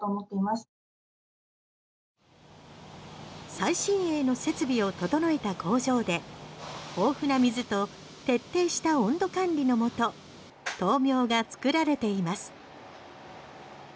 最新鋭の設備を整えた工場で豊富な水と徹底した温度管理のもと豆苗が作られています。